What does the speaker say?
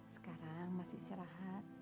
sekarang masih istirahat